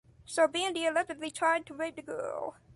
Sarbandi allegedly tried to rape the girl.